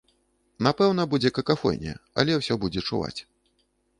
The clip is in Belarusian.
Напэўна, будзе какафонія, але ўсё будзе чуваць.